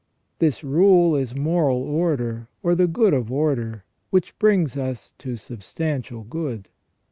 This rule is moral good or the good of order, which brings us to substantial good.